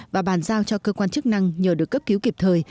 và bàn giao cho cơ quan chức năng nhờ được cấp cứu kịp thời